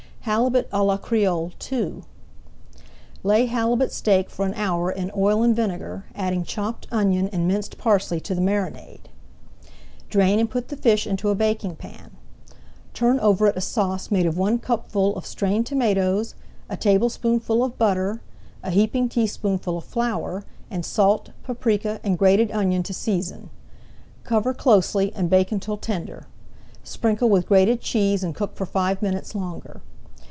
HALIBUT À LA CREOLE II Lay halibut steak for an hour in oil and vinegar, adding chopped onion and minced parsley to the marinade. Drain and put the fish into a baking pan. Turn over it a sauce made of one cupful of strained tomatoes, a tablespoonful of butter, a heaping teaspoonful of flour, and salt, paprika, and grated onion to season. Cover closely and bake until tender. Sprinkle with grated cheese and cook for five minutes longer.